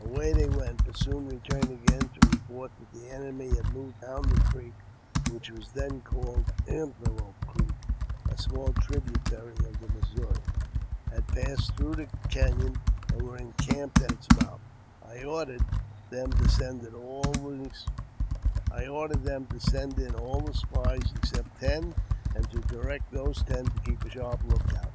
Away they went, but soon returned again to report that the enemy had moved down the creek (which was then called Antelope Creek, a small tributary of the Missouri), had passed through the caiion, and were encamped at its mouth. I ordered them to send in all the spies except ten, and to direct those ten to keep a sharp look out.